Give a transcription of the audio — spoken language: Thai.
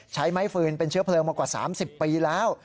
ใช้ไม้ฟืนเป็นเชื้อเพลิงมากว่า๓๐ปีแล้ว